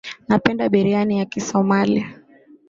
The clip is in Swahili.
Napenda biriyani ya kisomali